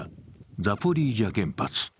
ザポリージャ原発。